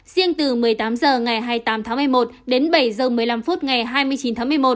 riêng từ một mươi tám h ngày hai mươi tám tháng một mươi một đến bảy h một mươi năm phút ngày hai mươi chín tháng một mươi một